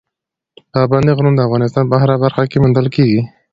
پابندي غرونه د افغانستان په هره برخه کې موندل کېږي.